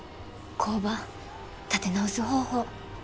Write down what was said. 工場立て直す方法。